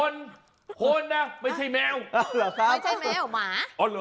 ไม่ใช่แมวขอแมวหมา